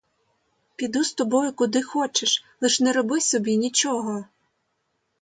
Піду з тобою, куди хочеш, лиш не роби собі нічого!